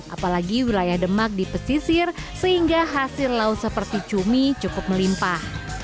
apalagi wilayah demak dipesisir sehingga hasil lau seperti cumi cukup melimpah